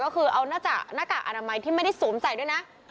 ก็คือเอาหน้ากากอนามัยที่ไม่ได้สวมใส่ด้วยนะ